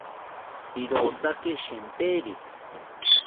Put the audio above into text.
Irotaki shempiri